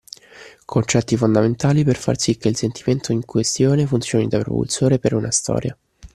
Concetti fondamentali per far sì che il sentimento in questione funzioni da propulsore per una storia.